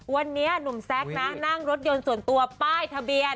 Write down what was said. วันนี้หนุ่มแซคนะนั่งรถยนต์ส่วนตัวป้ายทะเบียน